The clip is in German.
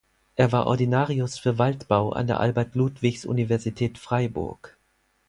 Er war Ordinarius für Waldbau an der Albert-Ludwigs-Universität Freiburg.